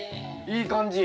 いい感じ。